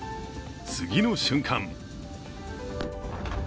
次の瞬間